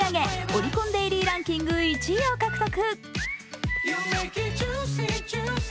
オリコンデイリーアルバムランキング１位を獲得。